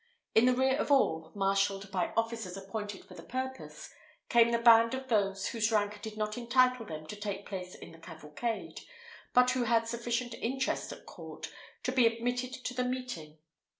In the rear of all, marshalled by officers appointed for the purpose, came the band of those whose rank did not entitle them to take place in the cavalcade, but who had sufficient interest at court to be admitted to the meeting.